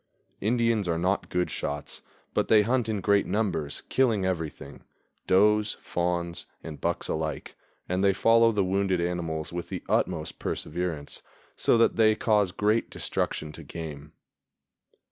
Indians are not good shots, but they hunt in great numbers, killing everything, does, fawns and bucks alike, and they follow the wounded animals with the utmost perseverance, so that they cause great destruction to game.